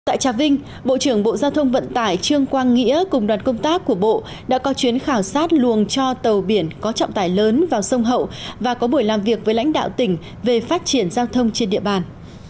tại trà vinh bộ trưởng bộ giao thông vận tải trương quang nghĩa cùng đoàn công tác của bộ đã có chuyến khảo sát luồng cho tàu biển có trọng tải lớn vào sông hậu và có buổi làm việc với lãnh đạo tỉnh về phát triển giao thông trên địa bàn